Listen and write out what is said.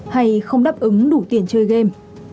hay không đáp ứng đủ tiền chơi game